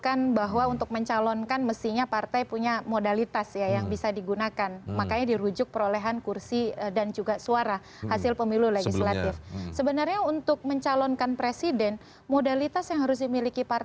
dan padahal kekuatan yang dikatakan paling kuat ini apakah benar benar realnya akan demikian